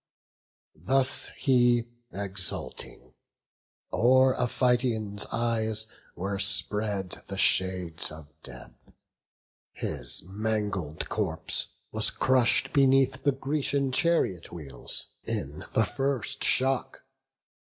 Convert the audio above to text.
Thus he, exulting: o'er Iphition's eyes Were spread the shades of death; his mangled corpse Was crush'd beneath the Grecian chariot wheels, In the first shock.